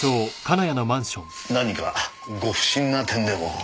何かご不審な点でも？